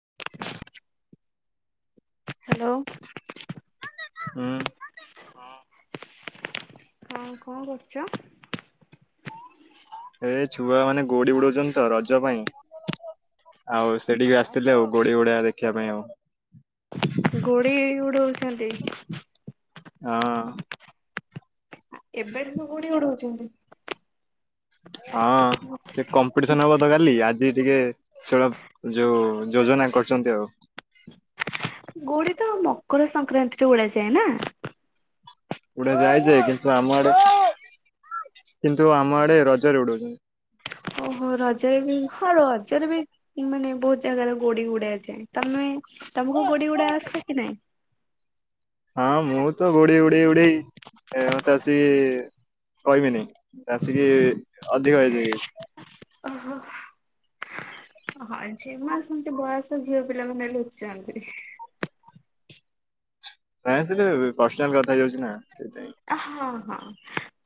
[inaudible] Hello. ହୁଁ। ହଁ, ହଁ କଣ କରୁଛ? ଏ ଛୁଆ ମାନେ ଗୋଡି ଉଡଉଛନ୍ତି ତ ରଜ ପାଇଁ। ଆଉ ସେଠିକି ଆସିଥିଲି ଆଉ ଗୋଡି ଉଡ଼େବା ଦେଖିବା ପାଇଁ ଆଉ। ଗୁଡି ଉଡଉଛନ୍ତି? ହଁ। ଏବେଠୁ ପୁଣି ଉଡଉଛନ୍ତି? ହଁ ସେ କମ୍ କମ୍ପିଡ଼ିସନ ହବ ତ କାଲି, ଆଜି ଟିକେ ସେ ଯୋଉ ଯୋଜନା କରୁଛନ୍ତି ଆଉ। ଗୁଡ଼ି ତ ମକର ସଂକ୍ରାନ୍ତିରେ ଉଡାଯାଏ ନା। ଉଡ଼ା ଯାଏ ଯେ କିନ୍ତୁ ଆମ ଆଡେ କିନ୍ତୁ ଆମ ଆଡେ ରଜରେ ଉଡଉଛନ୍ତି। ଓହୋ ରଜରେ ବି ହଁ ରଜରେ ବି ମାନେ ବହୁତ ଜାଗାର ଗୋଡି ଉଡ଼ା ଯାଏ। ତମେ ତମକୁ ଗୋଡି ଓଡା ଆସେ କି ନାଇଁ? ହଁ ମୁଁ ତ ଗୋଡ଼ି ଉଡେଇ ଉଡେଇ ତ ଆସି କହିବିନି ମୋତେ ଆସିକି ଅଧିକ ହେଇଯାଇ ଓହୋ। ହଁ ଝିମା ଶୁଣିଚି ବୟସ ଝିଅ ପିଲା ମାନେ ଲୁଚାନ୍ତି। ନାଇଁ ଯେ ପର୍ସନାଲ କଥା ହେଇଯାଉଛି ନା ସେଥିପାଇଁ। ହଁ ହଁ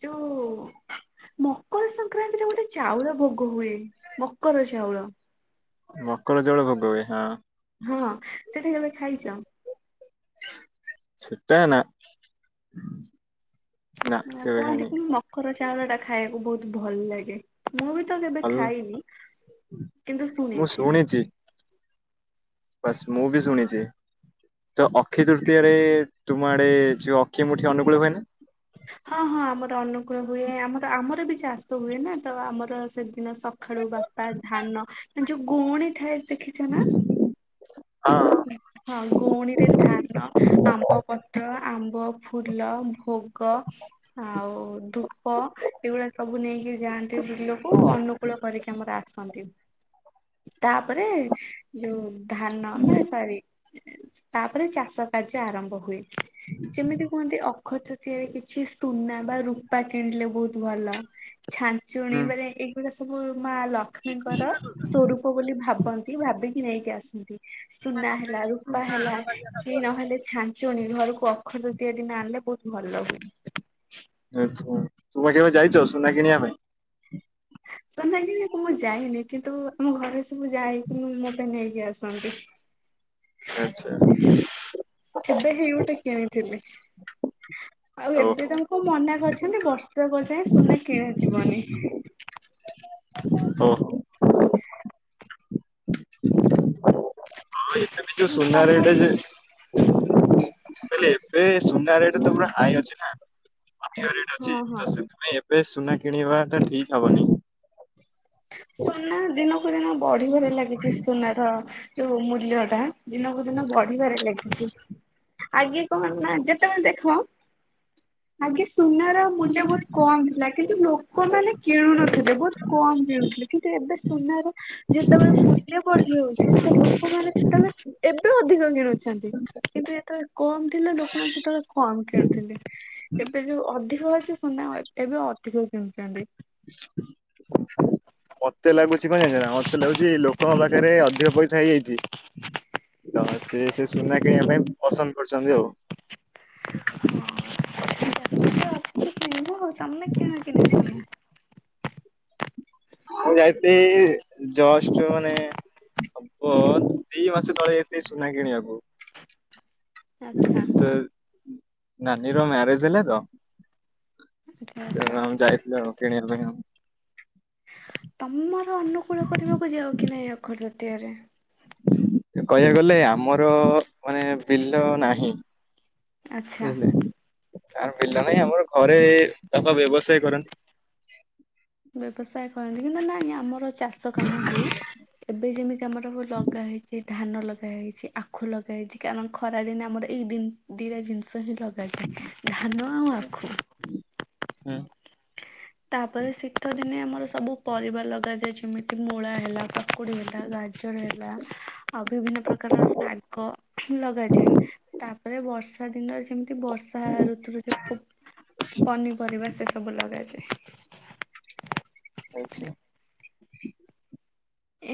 ଯୋଉ ମକର ସଂକ୍ରାନ୍ତିରେ ଗୋଟେ ଚାଉଳ ଭୋଗ ହୁଏ, ମକର ଚାଉଳ। ମକର ଚାଉଳ ଭୋଗ ହୁଏ ହଁ। ହଁ ହଁ ସେଟା କେବେ ଖାଇଛ? ସେଟା ନା। ନା କେବେ କୁହନ୍ତି ଖାଇନି। କି ମକର ଚାଉଳ ଟା ଖାଇବାକୁ ବହୁତ ଭଲ ଲାଗେ। ମୁଁ ବି ତ କେବେ ଭଲ ଖାଇନି କିନ୍ତୁ ମୁଁ ଶୁଣିଛି। ବାସ ମୁଁ ବି ହଁ ସଣିଛି। ତ ଅକ୍ଷି ତୃତୀୟରେ ତୁମ ଆଡେ ଯଉ ଅକ୍ଷି ମୁଠି ଅନୁକୂଳ ହୁଏ ନା। ହଁ ହଁ ଆମର ଅନୁକୂଳ ହୁଏ ଆମର ଆମର ବି ଚାଷ ହୁଏ ନା ତ ଆମର ସେଦିନ ସ ସଖାଳୁ ବାପା ଧାନ ଯୋଉ ଗୁଣି ଥାଏ ଦେଖିଛ ନା। ହଁ [inaudible] ହଁ ଗଉଣୀରେ ଧାନ ଆମ୍ବ ପତ୍ର ଆମ୍ବ ଫୁଲ ଭୋଗ ଆଉ ଧୂପ ଏଗୁଡା ସବୁ ନେଇକି ଯାଆନ୍ତି। ବିଲକୁ ଅନୁକୂଳ କରିକି ଆମର ଆସନ୍ତି। ତାପରେ ଯୋଉ ଧାନ ନା ସରି ତାପରେ ଚାଷ କାର୍ଯ୍ୟ ଆରମ୍ଭ ହୁଏ। ଯେମିତି କୁହନ୍ତି ଅ ଅଖ ତୁତିଆରେ କିଛି ସୁନା ବା ରୂପା କିଣିଲେ ବହୁତ ଭଲ। ଛା ଚୁଣୀ ହୁଁ ଏଇଗୁଡା ସବୁ ମା ଲକ୍ଷ୍ମୀଙ୍କର ସ୍ୱରୂ ପ ବୋଲି ଭାବନ୍ତି ଭାବିକି ନେଇକି ଆସନ୍ତି। ସୁନା ହେଲା ହୁଁ। ରୂପା ହେଲା କି ନହେଲେ ଛାଞ୍ଚୁନି ଘରକୁ ଅଖ ତୁତିଆ ଦିନ ଆଣିଲେ ବହୁତ ଭଲ। ଆଚ୍ଛା ତୁମେ କେବେ ଯାଇଛ ସୁନା କିଣିବା ପାଇଁ। ନାଇଁ ମୁଁ କେବେ ଯାଇନି କିନ୍ତୁ ଆମ ଘରେ ସବୁ ଯାଇକି ମୋ ପାଇଁ ନେଇକି ଆସନ୍ତି। ଆଚ୍ଛା। ଏବେ ହେଇ ଗୋଟେ କିଣିଥିଲି ଆଉ ଏବେ ଓହୋ ତାଙ୍କୁ ମନା କରି ମାନେ ବର୍ଷା ପଯାଏ ସୁନା କିଣା ଯିବନି। [inaudible] ହଁ ଏବେ ଯୋଉ ସୁନା ତମର ରେଟ୍ ଯେ କଲେ ଏବେ ସୁନା ରେଟ ତ ପୁର ହାଇ ଅଛି ନା। ଅଧିକ ରେଟ୍ ଅଛି ହଁ ହଁ ତ ସେଥିପାଇଁ ଏବେ ସୁନା କିଣିବା ଟା ଠିକ ହବନି। ସୁନା ଦିନକୁ ଦିନ ବଢିବାରେ ଲାଗିଛି ସୁନାର ଯୋଉ ମୂଲ୍ୟ ଟା ଦିନକୁ ଦିନ ବଢିବାରେ ଲାଗିଛି। ଆଗେ କହନ ନା ଯେତେବେଳେ ଦେଖ। ଆଗେ ସୁନାର ମୂଲ୍ୟ ବହୁତ କମ ଥିଲା କିନ୍ତୁ ଲୋକମାନେ କିଣୁନଥିଲେ ବହୁତ କମ୍ ଯାଉ କିନ୍ତୁ ଏବେ ସୁନାର ଯେତେବେଳେ ମୂଲ୍ୟ ବଢିଯାଉଛି ସେ ଲୋକମାନେ ସେତେବେଳେ ଏବେ ଅଧିକ କିଣୁଛନ୍ତି। କିନ୍ତୁ ଏତେବେଳେ କମ୍ ଥିଲା ଲୋକମାନେ ସେତେବେଳେ କମ୍ କିଣୁଥିଲେ। ଏବେ ଯୋଉ ଅଧିକ ଅଛି ସୁନା ଏବେ ଅଧିକ କିଣିଛନ୍ତି। ହ ମତେ ଲାଗୁଛି କଣ ଜାଣିଛ ନା ମତେ ଲାଗୁଛି ଲୋକଙ୍କ ପାଖରେ ଅଧିକ ପଇସା ହେଇଯାଇଛି। ତ ସେ ସେ ସୁନା କିଣିବା ପାଇଁ ପସନ୍ଦ କରୁଛନ୍ତି ଆଉ। ହଁ ଯା ପାଖରେ ଅଛି ତ କିଣିବ ଆଉ ତମେ କିଣ କି ନାଇ ସୁନା। ମୁଁ ଯାଇଥିଲି ଯୋଷ୍ଟ ମାନେ ହବ ଦି ମାସ ତଳେ ଯାଉଥିଲି ସୁନା କିଣିବାକୁ। ଆଚ୍ଛା ତ ନାନୀର ମ୍ୟାରେଜ ହେଲେ ତ। ଆଚ୍ଛା ତ ଆଚ୍ଛା ଆମ ଯାଇଥିଲୁ ଆଉ କିଣିବା ପାଇଁ ଆଉ ତମର ଅନୁକୂଳ କରିବାକୁ ଯାଉ କି ନାହିଁ ଅକ୍ଷର ଜାତଆରେ କହିବାକୁ ଗଲେ ଆମର ମାନେ ବିଲ ନାହିଁ ଆଚ୍ଛା ବୁଝିଲେ ଆମ ବିଲ ନାହିଁ ଆମର ଘରେ ବାପା ବ୍ୟବସାୟ କରନ୍ତି ବ୍ୟବସାୟ କରନ୍ତି କିନ୍ତୁ ନାଇ ଆମର ଚାଷ କାମ ହୁଏ ଏବେ ଯେମିତି ଆମର ଲଗା ହେଇଛି ଧାନ ଲଗା ହେଇଛି ଆଖୁ ଲଗା ହେଇଛି କାରଣ ଖରା ଦିନ ଆମର ଏଇ ଦିନ ଦିଟା ଜିନିଷ ହିଁ ଲଗାାଯାଏ ଧାନ ଆଉ ଆଖୁ ହଁ ତାପରେ ଶୀତ ଦିନେ ଆମର ସବୁ ପରିବା ଲଗାଯାଏ ଯେମିତି ମୂଳା ହେଲା କାକୁଡି ହେଲା ଗା ର ହେଲା ଆଉ ବିଭିନ୍ନ ପ୍ରକାର ଶାଗ ଲଗାଯାଏ ତାପରେ ବର୍ଷା ଦିନ ଯେମିତି ବର୍ଷା ଋତୁ ଭିତରେ ପନ୍ ପନିପରିବା ସେ ସବୁ ଲଗାଯାଏ [inaudible] ହଉଛି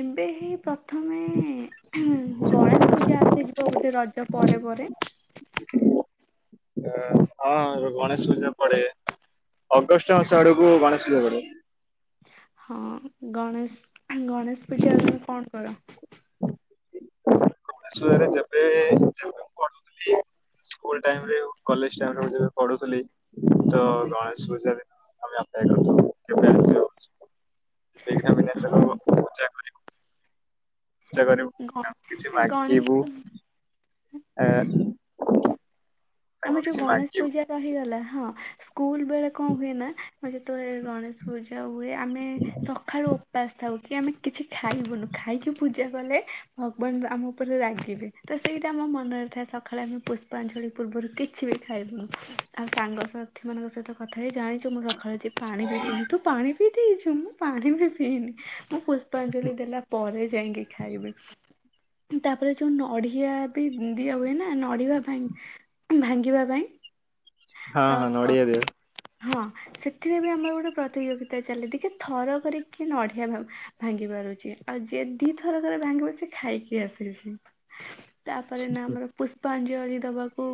ଏବେ ହି ପ୍ରଥମେ ଗଣେଶ ପୂଜା ଆସିଯିବ ବୋଧେ ରଜ ପରେ ପରେ ହଁ ଗଣେଶ ପୂଜା ପଡେ ଅଗଷ୍ଟ ମାସ ଆଡକୁ ଗଣେଶ ପୂଜା ପଡେ ହଁ ଗଣେଶ ଗଣେଶ ପୂଜା ତମେ କଣ କର ରେ ଯେବେବେ ଆୁଥିଲ [unintelligible] ସ୍କୁଲ ଟାଇମରେ କଲେଜ ଟାଇମରେ ମୁ ଯେବେ ପଢୁଥିଲି ତ ଗଣେଶ ପୂଜାରେ ଆମେ ଅପେକ୍ଷା କରି ହଁ [unintelligible] କେ ଆସା ସେୟା କରିବୁ ଗଣ ତାଙ୍କୁ କିଛି ନା ଗଣେଶ ପୂଜା ଆ ଆମେ ଯୋଉ ଗଣେଶ ପୂଜା ରହିଗଲା ହଁ ସ୍କୁଲ ବେଳେ କଣ ହୁଏ ନା ଯେତେବେଳେ ଗଣେଶ ପୂଜା ହୁଏ ଆମେ ସକାଳୁ ଉପାସ ଥାଉ କି ଆମେ କିଛି ଖାଇବୁନୁ ଖାଇକି ପୂଜା କଲେ ଭଗବାନ ଆମ ଉପରେ ରାଗିବେ ତ ସେଇଟା ଆମ ମନରେ ଥାଏ ସକାଳେ ଆମେ ପୁଷ୍ପାଞ୍ଜଳି ପୂର୍ବରୁ କିଛି ବି ଖାଇବୁନି ଆଉ ସାଙ୍ଗସଥି ମାନଙ୍କ ସହିତ କଥା ହେଇ ଜାଣିଛୁ ମୁଁ ସକାଳେ ପାଣି ବି ପିନି ତୁ ପାଣି ପିଇ ଦେଇଛୁ ମୁ ପାଣି ବି ପିନି ମୁଁ ପୁଷ୍ପାଞ୍ଜଳି ଦେଲା ପରେ ଯାଇକି ଖାଇବି ତାପରେ ଯୋଉ ନଡିଆ ବି ଦିଆ ହୁଏ ନା ନଡିିବା ପାଇଁ ଭାଙ୍ଗିବା ପାଇଁ ହଁ ତ ହଁ ନଡିଆ ଦିଅ ହଁ ସେଥିରେ ବି ଆମର ଗୋଟେ ପ୍ରତିଯୋଗିତା ଚାଲେ ଦେଖିବା ଥରକରେ କିଏ ନଡ଼ିଆ ଭାଙ୍ଗିବ ଭାଙ୍ଗି ପାରୁଛି ଆଉ ଯିଏ ଦିଥର ରେ ଭାଙ୍ଗିବ ସେ ଖାଇକି ଆସିଛି ତାପରେ ନା ଆମର ପୁଷ୍ପାଞ୍ଜଳି ଦବା କୁ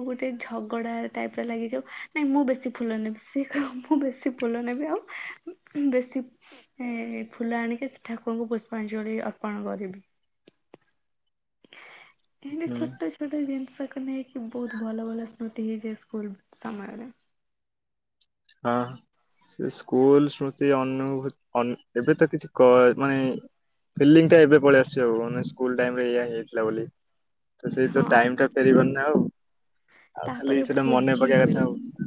ଝଗଡ଼ା ଟାଇପ ର ଲାଗିଯାଉ ନାଇଁ ମୁଁ ବେଶୀ ଫୁଲ ନେବି ସେଏ କହିବ ମୁଁ ବେଶୀ ଫୁଲ ନେବି ଆଉ ବେଶୀ ଏ ଫୁଲ ଆଣିକି ସେ ଠାକୁରଙ୍କୁ ପୁଷ୍ପାଞ୍ଜଳି ଅର୍ପଣ କରିବି ଏମତି ହୁଁ ଛୋଟ ଛୋଟ ଜିନିଷକୁ ନେଇକି ବହୁତ ଭଲ ଭଲ ସ୍ମୃତି ହେଇଯାଏ ସ୍କୁଲ ସମୟରେ ହଁ ସେଇ ସ୍କୁଲ ସ୍ମୃତି ଅନୁଭୂତି ଏବେ ତ କିଛି କଜ୍ ମାନେ ଫିଲିଙ୍ଗ୍ ଟା ଏବେ ପଳେଇ ଆସିଛି ଆଉ ମାନେ ସ୍କୁଲ ଟାଇମ୍ ରେ ଏଇଆ ହେଇଥିଲା ବୋଲି ତ ସେଇ ତ ହଁ ଟାଇମ ଟା ଫେରିବାରି ନା ଆଉ ଆଉ ଖାଲି ତାପରେ ସେଇଟା ମନେ ଭୋଜି ପକେଇବା ହୁଏ କଥା ଆଉ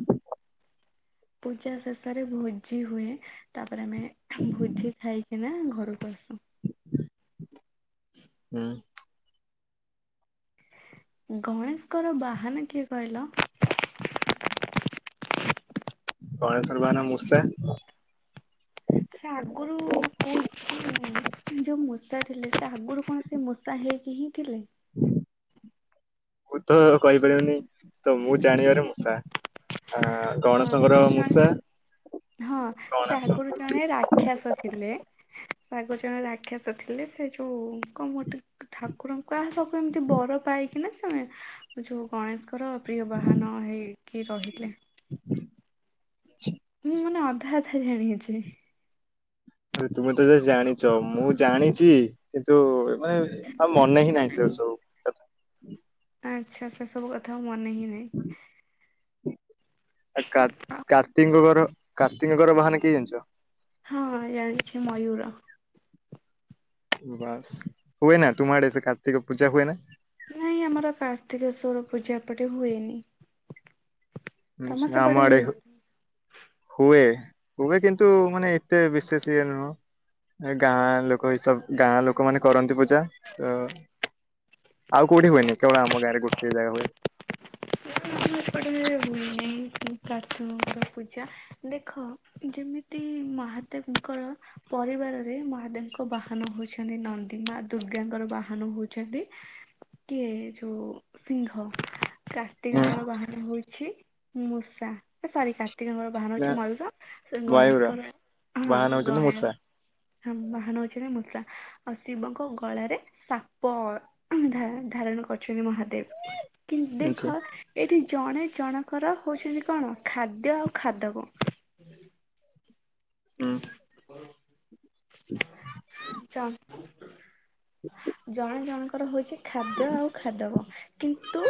ପୂଜା ଶେଷରେ ଭୋଜି ହୁଏ। ତାପରେ ଆମେ ଭୋଜି ଖାଇକିନା, ଘରକୁ ଆସୁ। ହୁଁ। ଗଣେଶଙ୍କର ବାହାନା କିଏ କହିଲ? ଗଣେଶ ଙ୍କ ବାହାନ ମୂଷା। ସେ ଆଗରୁ କ ଯୋଉ ମୂଷା ଥିଲେ, ସେ ଆଗରୁ କଣ ସେ ମୂଷା ତା ହେଇକି ହିଁ ଥିଲେ। ମୁଁ ତ କହିପାରିବିନି, ତ ମୁଁ ଜାଣିବାର ମୂଷା, ଆ ହଁ ଗଣେଶଙ୍କର ସେ ଜଣେ ମୂଷା, ହଁ ସେ ଗଣେଶ ଆଗରୁ ଜଣେ ରାକ୍ଷାସ ଥିଲେ। ସେ ଆଗୁରୁ ଜଣେ ରାକ୍ଷସ ଥିଲେ, ସେ ଯୋଉ କଣ ଗୋଟେ ଠାକୁର କଣ ସବୁ ଏମିତି ବର ପାଇକିନା ସ [unintelligible] ଯୋଉ ଗଣେଶଙ୍କର ପ୍ରିୟ ବାହାନ ହେଇକି ରହିଲେ। [unintelligible] ମୁଁ ମାନେ ଅଧା ଅଧା ଜାଣିଅଛି। ଆରେ ତୁମେ ତ ଏତେ ଜାଣିଚ, ମୁଁ ଜାଣିଚି କିନ୍ତୁ ଏ ମାନେ ଆଉ ମନେ ହିଁ ନାହିଁ, ସେ ସବୁ। କଥା ଆଛା, ସେ ସବୁ କଥା ଆଉ ମନେ ହିଁ ନାହିଁ। ଆ କାର୍ତ୍ତିକ ଙ୍କର, କାର୍ତ୍ତିକ ଙ୍କର ବାହାନ କିଏ ଜାନିଚ? ହଁ ଜାଣିଛି, ମୟୁର। ବାସ୍, ହୁଏ ନା, ତୁମ ଆଡେ ସେ କାର୍ତ୍ତିକ ପୂଜା ହୁଏ ନା? ନାଇଁ ଆମର କାର୍ତ୍ତିକେଶ୍ୱର ପୂଜା ଏପଟେ ହୁଏନି। ତମ [unintelligible] ସେପଟେ ଆମଆଡେ ହୁଏ। ବୋଧେ? ହୁଏ, ହୁଏ କିନ୍ତୁ ମାନେ ଏତେ ବିଶେଷ ଇଏ ନୁହଁ। ଏ ଗାଁ ଲୋକ ଏଇ ସବ, ଗାଁ ଲୋକ ମାନେ କରନ୍ତି ପୂଜା ତ ଆଉ କଉଠି ହୁଏନି, କେବଳ ଆମ ଗାଁରେ ଗୋଟିଏ ଜାଗା ହୁଏ। ନା ଆମ ଏପଟେ କେବେ ହୁଏ ନାହିଁ। କାର୍ତିକଙ୍କର ପୂଜା, ଦେଖ ଯେମିତି ମହାଦେବଙ୍କର ପରିବାରରେ ମହାଦେବଙ୍କ ବାହାନ ହଉଚନ୍ତି ନନ୍ଦୀ, ମା ଦୁର୍ଗାଙ୍କର ବାହାନ ହଉଚନ୍ତି କିଏ ଯୋଉ ସିଂଙ୍ଗ କାର୍ତ୍ତିକଙ୍କର ବାହାନ ହଉଛି ମୂଷା, ଏ ସରି କାର୍ତ୍ତିକଙ୍କର ବାହାନ ହେଉଛି ମୟୂର, ତ ମୟୂର ଗଣେଶଙ୍କର ହଁ ବାହାନ ହଉଛନ୍ତି ଗଣେ ମୂଷା ହଁ ବାହାନ ହଉଚିନା ମୂଷା, ଆଉ ଶିବଙ୍କ ଗଳାରେ ସାପ, ଧ ଧାରଣ କରୁଚନ୍ତି ମହାଦେବ। କି ଆଛା ଦେଖ, ଏଠି ଜଣେ ଜଣଙ୍କର ହଉଚନ୍ତି କଣ, ଖାଦ୍ୟ ଆଉ ଖାଦକ। ହୁଁ। [unintelligible] ଜଣେ ଜଣଙ୍କର ହଉଚି ଖାଦ୍ୟ ଆଉ ଖାଦବ। କିନ୍ତୁ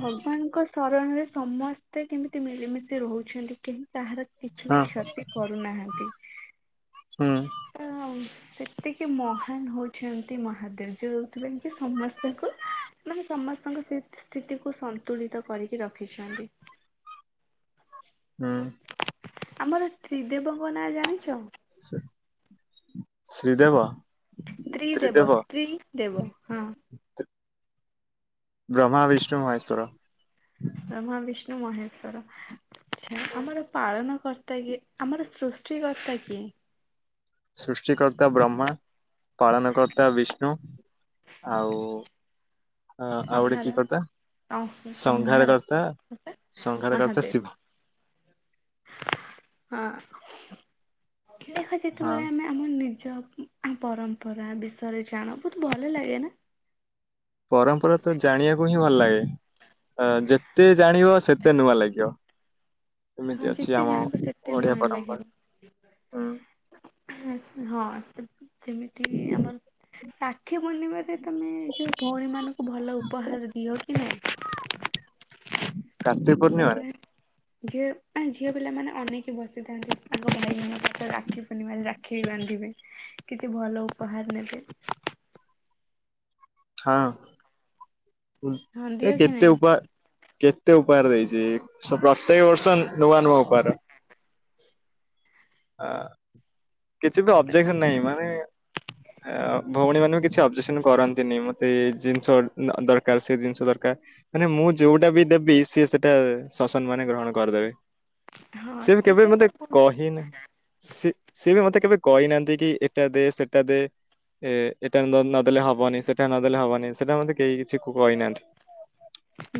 ଭଗବାନଙ୍କ ଶରଣରେ ସମସ୍ତେ କେମିତି ମିଳିମିଶି ରହୁଛନ୍ତି। କେହି କାହାର କିଛି ହଁ। ବି କ୍ଷତି କରୁନାହାନ୍ତି। ହୁଁ। ତ, ସେତିକି ମହାନ ହଉଚନ୍ତି ମହାଦେବ। ଯୋଉ ସେଥିପାଇଁ, କି ସମସ୍ତଙ୍କୁ ମାନେ ସମସ୍ତଙ୍କ ସେ ସ୍ଥିତିକୁ ସନ୍ତୁଳିତ କରିକି ରଖିଛନ୍ତି। ହୁଁଉଁ। ଆମର ତ୍ରିଦେବଙ୍କ ନାଁ ଜାଣିଛ? ସେ ଶ୍ରୀଦେବା ତ୍ରୀଦେବ, ତ୍ରୀ ଦେବ ହଁ। ବ୍ରହ୍ମା, ବିସ୍ଟୁ, ମହେଶ୍ୱର। ବ୍ରହ୍ମା, ବିିଷ୍ଣୁ, ମହେଶ୍ଵର। ଆମର ପାଳନ କର୍ ତା କିଏ? ଆମର ସୃଷ୍ଟିକର୍ତ୍ତା କିଏ? ସୃଷ୍ଟି କର୍ତ୍ତା ବ୍ରହ୍ମା। ପାଳନ କର୍ତ୍ତା ବିଷ୍ଣୁ ଆଉ ଅ ଆଉ ଗୋଟେ ସଂହାର କି କର୍ତ୍ତା ସଂଘାର ସଂହାର କର୍ତ୍ତା ସଂଘାର କର୍ତ୍ତା ମହାଦେବ ଶିବ। ହଁ, ହେଲେ ହଁ ଯେତେବେଳେ ଆମେ ଆମ ନିଜ ପରମ୍ପରା ବିଷୟରେ ଜାଣ ବହୁତ୍ ଭଲ ଲାଗେ ନା। ପରମ୍ପରା ତ ଜାଣିଆକୁ ହିଁ ଭଲ୍ ଲାଗେ। ହଁ ଯେତେ ଜାଣିବ ସେତେ ନୂଆ ଲାଗିବ। ହଁ ଏମିତି ଅଛି ଯେତେ ଆମ ଜାଣିବ ସେତେ ଓଡିଆ ପରମ୍ପରା। ହୁଁ। ହୁଁ ହଁ, ସେ ଯେମିତିକି ଆମର ରାକ୍ଷୀ ପୂର୍ଣ୍ଣିମାରେ ତମେ ଯୋଉ ଭୋଉଣୀ ମାନଙ୍କୁ ଭଲ ଉପହାର ଦିଅ କି ନାଇଁ? [inaudible] ପୂର୍ଣ୍ଣିମାରେ ଆଜ୍ଞା [unintelligible] ଘିଅ ମାନେ ଝିଅ ପିଲାମାନେ ଅନେଇକି ବସିଥାନ୍ତି, ଆଗ ଭାଇ ମାନଙ୍କ ହାତରେ ରାକ୍ଷୀ ପୂର୍ଣ୍ଣିମାାରେ ରାକ୍ଷୀ ବାନ୍ଧିବେ। କିଛି ଭଲ ଉପହାର ନେବେ। ହଁଅଁ, ହଁ [inaudible] ଏ ଦିଅ କି କେତେ ନାଇଁ ଉପହା କେତେ ଉପହାର ଦେଇଚି। ସୋ ପ୍ରତ୍ୟେକ ବର୍ଷ ନୂଆ ନୂଆ ଉପହାର। ଆ କିଛି ତ ଅବଜେକ୍ସନ ନାଇଁ। ମାନେ ଏ ଅ ଭଉଣୀ ମାନେ ବି କିଛି ଅବଜେକ୍ସନ କରନ୍ତିନି। ମତେ ଏ ଜିନିଷ ଦରକାର ସେ ଜିନିଷ ଦରକାର। ମାନେ ମୁଁ ଯୋଉଟା ବି ଦେବି ସିଏ ସେଟା ସ ସମ୍ମାନେ ଗ୍ରହଣ କରଦେବେ। ହଁ ସିଏ ବି କେବେ ବି ସେଇଟା ମତେ ତ ବହୁତ କହିନା ସେ ସିଏ ବି ମତେ କେବେ କଇନାଆନ୍ତି କି ଏଟା ଦେ ସେଟା ଦେ। ଏ ଏଟା ନ ନଦେଲେ ହବନି। ସେଟା ନଦେଲେ ହବନି। ସେଟା ମତେ କେହି କିଛି କଇନାଆନ୍ତି।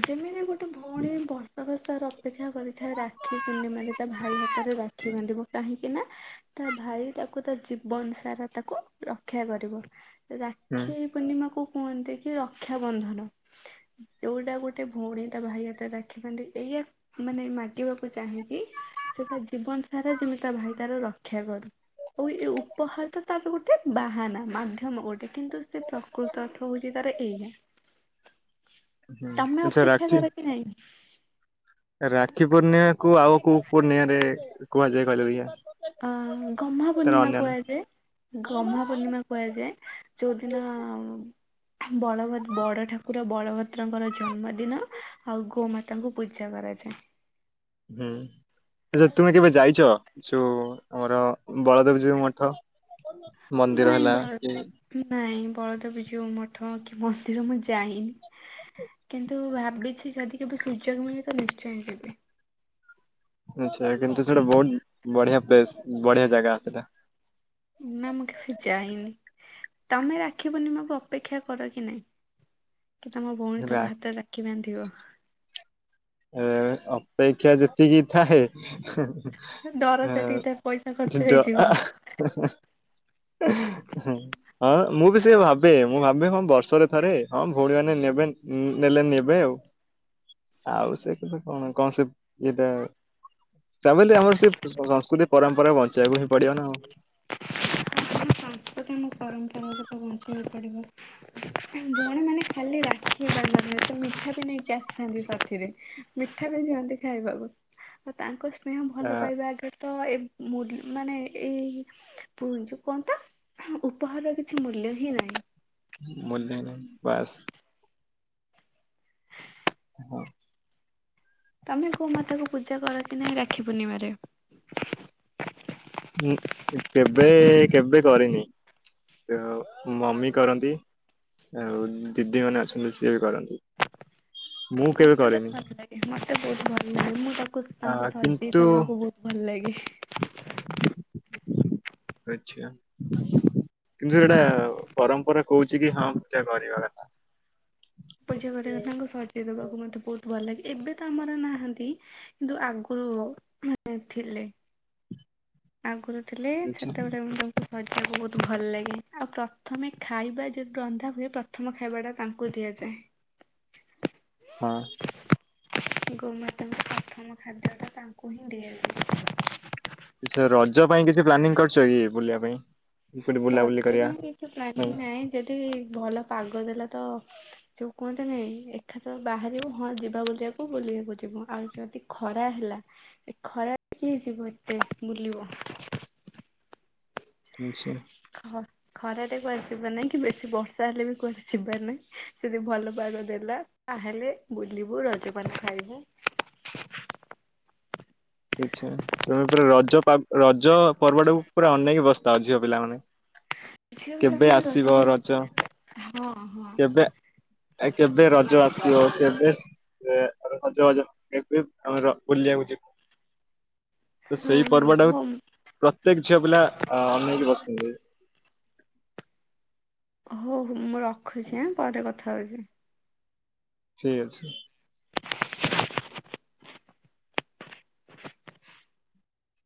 ଯେମିତି ଗୋଟେ ଭୋଉଣୀ ବର୍ଷ ବଷାର ଅପେକ୍ଷା କରିଥାଏ ରାକ୍ଷୀ ପୂର୍ଣ୍ଣିମାରେ ତା ଭାଇ ହାତରେ ରା କ୍ଷୀ ବାନ୍ଧିବ କାହିଁକି ନା ତା ଭାଇ ତାକୁ ତା ଜୀବନ ସାରା ତାକୁ ରକ୍ଷା କରିବ। ହୁଁ ରାକ୍ଷୀ ପୂର୍ଣ୍ଣିମାକୁ କୁଅନ୍ତି କି ରକ୍ଷାବନ୍ଧନ। ଯୋଉଟା ଗୋଟେ ଭୋଉଣୀ ତା ଭାଇ ହାତରେ ରାକ୍ଷୀ ବାନ୍ଧିଦିଏ ମାନେ ମାଗିବାକୁ ଚାହେଁକି, ସେତା ଜୀବନ ସାରା ଯେମିତା ଭାଇ ତାର ରକ୍ଷା କରୁ। ଆଉ ଏ ଉପହାର ତ ତାର ଗୋଟେ ବାହାନା ମାଧ୍ୟମ ଗୋଟେ। କିନ୍ତୁ ସେ ପ୍ରକୃତ ଅର୍ଥ ହଉଛି ତାର ଏଇଆ। ହୁଁ ତମେ ଆଚ୍ଛା ଅପେକ୍ଷା ରାକ୍ଷୀ କର କି ନାଇଁ? ରାକ୍ଷୀ ପୂର୍ଣ୍ଣିମା କୁ ଆଉ କୋଉ ପୂର୍ଣ୍ଣିମା ରେ କୁହାଯାଏ କଇଲ ଦେଖିଆ? ଅ ଗହ୍ମା ତାର ପୂର୍ଣ୍ଣିମା ଅନ୍ୟ ନା କୁହାଯାଏ। ଗହ୍ମା ପୂର୍ଣିମା କୁହାଯାଏ। ଯୋଉଦିନ ବଳଭ ବଡ଼ ଠାକୁର ବଳଭଦ୍ରଙ୍କର ଜନ୍ମଦିନ ଆଉ ଗୋମା ତାଙ୍କୁ ପୂଜା କରାଯାଏ। ହୁଁଉଁ। ଆଛା ତୁମେ କେବେ ଯାଇଚ, ସୋ ଆମର ବଳଦେବ ଜୀଉ ମଠ? ମନ୍ଦିର ନାଇଁ ହେଲା ବଳ କି। ନାଇଁ ବଳଦେବ ଯିଉ ମଠ କି ମନ୍ଦିର ମୁଁ ଯାଇନି। କିନ୍ତୁ ଭାବିଛି ଯଦି କେବେ ସୁଯୋଗ ମିଳେ ତ ନିଶ୍ଚୟ ଯିବି। ଆଛା କିନ୍ତୁ ସେଇଟା ବହୁତ ବଢିଆ ପ୍ଲେସ ବଢିଆ ଜାଗା ସେଇଟା। ନା ମୁଁ କେବେ ଯାଇନି। ତମେ ରାକ୍ଷୀ ପୁର୍ଣ୍ଣିମାକୁ ଅପେକ୍ଷା କର କି ନାଇଁ। କି ତମ ଭଉଣୀ ହେଲା ତମ ହାତରେ ରାଖି ବାନ୍ଧିବ। ଏ ଅପେକ୍ଷା ଯେତିକି ଥାଏ। ଡର ସେତିକି ତ ପଇସା ଖର୍ଚ୍ଚ ହେଇଯିବ। [unintelligible] [unintelligible] ହଁ ମୁଁ ବି ସେୟା ଭାବେ ମୁଁ ଭାବେ ହଁ ବର୍ଷରେ ଥରେ ହଁ ଭଉଣୀ ମାନେ ନେବେ ନେଲେ ନେବେ ଆଉ। ଆଉ ସେ କେବେ କଣ କଁ ସେ ଇଏଟା। ତା ବେଲୀ ଆମର ସେଇ ସଂସ୍କୃତି ପରମ୍ପରା ବଞ୍ଚେଇି ବାକୁ ହିଁ ପଡିବ ନା ଆଉ। ତଥାପି ଆମ ପରମ୍ପରା କୁ ତ ବଞ୍ଚେଇ ବାକୁ ପଡିବ। ଏଁ ଭଉଣୀ ମାନେ ଖାଲି ରାକ୍ଷୀ ଆଣିନଥାନ୍ତି ତ ମିଠା ବି ନେଇକି ଆସିଥାନ୍ତି ସାଥିରେ। ମିଠା ବି ଦିଅନ୍ତି ଖାଇବାକୁ ଆଉ ତାଙ୍କ ସ୍ନେହ ଆ ଭଲ ପାଇବା ଆଗରେ। ତ ଏ ମୁ ମାନେ ଏଇ ପୁ ଯୋଉ କଣ ତ। ଉପହାରର କିଛି ମୂଲ୍ୟ ହିଁ ନାହିଁ। ମୂଲ୍ୟ ନାଇ ବାସ୍। ହଁ। ତମେ ଗୋ ମାତା କୁ ପୂଜା କର କି ନାହିଁ ରାକ୍ଷୀ ପୂର୍ଣ୍ଣିମାରେ। ଉଁ କେବେ କେବେ କରିନି। ତ ମୋ ମମି କରନ୍ତି। ଆଉ ଦିଦି ମାନେ ଅଛନ୍ତି ସିଏ ବି କରନ୍ତି। ମୁଁ କେବେ ମତେ ତ କରେନି ଭଲ ଲାଗେ ମତେ ବହୁତ ଭଲ ଲାଗେ ମୁଁ ତାକୁ କୋସ୍ ଆ ତାଙ୍କୁ ସଜେଇ କିନ୍ତୁ ଦବାକୁ ବହୁତ ଭଲ ଲାଗେ ଆଛା। କିନ୍ତୁ ସେଇଟା ପରମ୍ପରା କହୁଛି କି ହଁ ପୂଜା କରିବା କଥା। ପୁଜା‌ କରିବାକୁ ତାଙ୍କୁ ସଜେଇ ଦବାକୁ ମତେ ବହୁତ ଭଲ ଲାଗେ ଏବେ ତ ଆମର ନାହାନ୍ତି କିନ୍ତୁ ଆଗୁ ରୁ ଥିଲେ। ଆଗରୁ ଥିଲେ ଆଚ୍ଛା ସେତେବେଳେ ମୁଁ ତା ସଜେଇବାକୁ ବହୁତ ଭଲ ଲାଗେ ଆଉ ପ୍ରଥମେ ଖାଇବା ଯଦି ରନ୍ଧା ହୁଏ ପ୍ରଥମ ଖାଇବା ଟା ତାଙ୍କୁ ଦିଆଯାଏ। ହଁ। ଗୋ ମାତାଙ୍କୁ ପ୍ରଥମ ଖାଦ୍ୟଟା ତାଙ୍କୁ ହିଁ ଦିଆଯିଏ। ଏଥର ରଜ ପାଇଁ କିଛି ପ୍ଲାନିଂ କରିଛ କି ବୁଲାବା ପାଇଁ କି କୋଉଠି ତ ବୁଲାବୁଲି ରଜ କରିବା ପାଇଁ କିଛି ପ୍ଲାନିଂ ନାଇଁ। ନାହିଁ ଯଦି ଭଲ ପାଗ ଦେଲା ତ। ଯୋଉ କୁହନ୍ତିନି ଏକାଥରେ ବାହାରିବୁ ହଁ ଯିବା ବୁଲିବାକୁ ବୁଲିବାକୁ ଯିବୁ ଆଉ ଯଦି। ଖରା ହେଲା ଏ ଖରା ରେ କିଏ ଯିବ ଏତେ ବୁଲିବ। ଆଛା। ହଁ। ଖରାରେ କୁଆଡେ ଯିବାର ନାହିଁ କି ବେଶୀ ବର୍ଷା ହେଲେ ବି କୁଆଡେ ଯିବାର ନାହିଁ ସେ ଯଦି ଭଲ ପାଗ ଦେଲା। ତା ହେଲେ ବୁଲିବୁ ରଜପାନ ଖାଇବୁ। ଆଛା। ତମେ ପୁରା ରଜ ପାଗ ରଜ ପର୍ବ ଟାକୁ ପୁରା ଅନେଇକି ବସି ଥାଅ ଝିଅ ପିଲାମାନେ। ଝିଅ କେବେ ପିଲାମାନେ ଆସିବ ରଜରେ ରଜ। ହଁ ହଁ କେବେ ଆ କେବେ ରଜ ଆସିବ। କେଭେ ବେ ଆମେ ସଜ ବାଜ। ଏବେ ଆମେ ବୁଲିବାକୁ ଯିବୁ। ତ ହଁ ସେଇ ହଁ ପର୍ବ ହଉ ଟାକୁ ପ୍ରତ୍ୟେକ ଝିଅ ପିଲା ଅନେଇକି ବସିଥିବେ। ହଉ ହଉ ମୁଁ ରଖୁଛି ଆ। ପରେ କଥା ହଉଛି। ଠିକ୍ ଅଛି। [unintelligible]